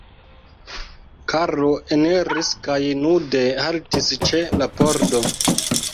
Karlo eniris kaj nude haltis ĉe la pordo.